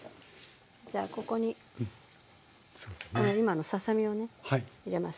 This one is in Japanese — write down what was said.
じゃあここに今のささ身をね入れます。